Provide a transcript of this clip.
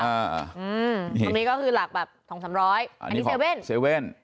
อันนี้ก็คือหลักแบบ๒๓๐๐อันนี้๗๑๑